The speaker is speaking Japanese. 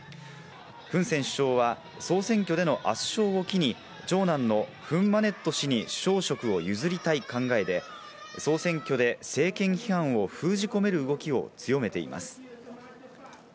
フン・セン首相は総選挙での圧勝を機に長男のフン・マネット氏に首相職を譲りたい考えで、総選挙で政権批判を封じ込める動きを強めています。